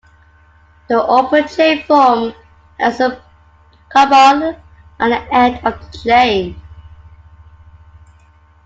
The open-chain form has a carbonyl at the end of the chain.